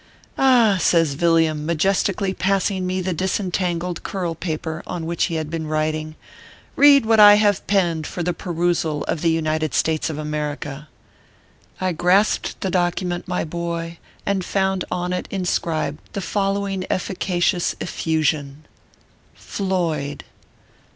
Ah !" says Villiam, majes tically passing me the disentangled curl paper on which he had been writing, " read what I have penned for the perusal of the United States of America. " I grasped the document, my boy, and found on it inscribed the following efficacious effusion : FLOYD.